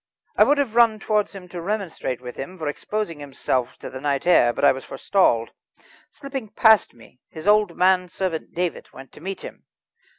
I would have run towards him to remonstrate with him for exposing himself to the night air, but I was forestalled. Slipping past me, his old manservant, David, went to meet him.